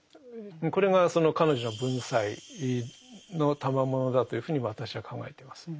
これがその彼女の文才の賜物だというふうに私は考えてます。